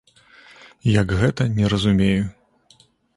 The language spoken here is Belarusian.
Як гэта, не разумею.